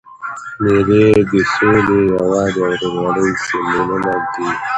مېلې د سولي، یووالي او ورورولۍ سېمبولونه دي.